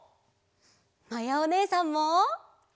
まやおねえさんも！